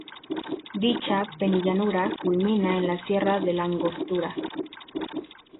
Dicha penillanura culmina en la sierra de la Angostura.